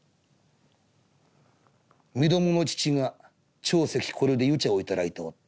身どもの父が朝夕これで湯茶を頂いておった。